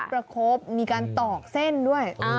ประคบมีการตอกเส้นด้วย